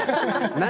何？